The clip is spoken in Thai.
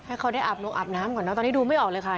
ให้เขาได้อาบนงอาบน้ำก่อนเนอะตอนนี้ดูไม่ออกเลยค่ะ